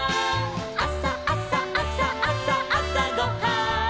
「あさあさあさあさあさごはん」